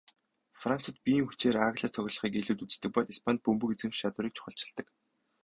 Францад биеийн хүчээр ааглаж тоглохыг илүүд үздэг бол Испанид бөмбөг эзэмших чадварыг чухалчилдаг.